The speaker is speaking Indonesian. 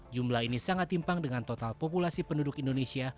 jumlah ini sangat timpang dengan total populasi penduduk indonesia